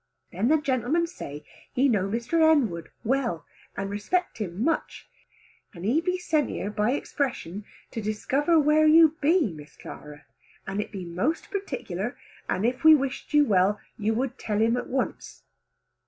Then the gentleman say he know Mr. Henwood well, and respect him much, and he be sent here by expression to discover where you be Miss Clara, and it be most particular, and if we wished you well, us would tell him to once.